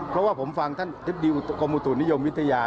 เพราะว่าผมฟังท่านทิศดีโอกิโมใสตุนิยมวิทยา